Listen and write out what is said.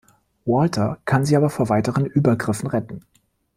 Walter kann sie aber vor weiteren Übergriffen retten.